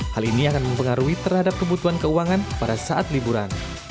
hal ini akan mempengaruhi terhadap kebutuhan keuangan pada saat liburan